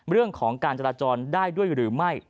เรื่องของการจราจรได้ด้วยหรือไม่